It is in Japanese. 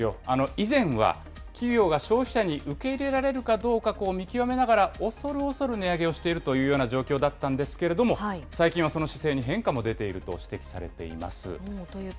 以前は企業が消費者に受け入れられるかどうか見極めながら恐る恐る値上げをしているというような状況だったんですけれども、最近はその姿勢に変化も出ていると指摘されていというと。